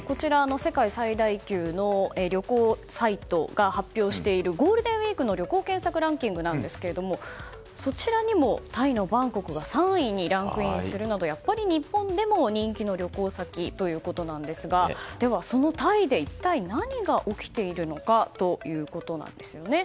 世界最大級の旅行サイトが発表しているゴールデンウィークの旅行検索ランキングなんですがそちらにもタイのバンコクが３位にランクインするなどやっぱり日本でも人気の旅行先ということなんですがでは、そのタイで一体何が起きているのかということなんですよね。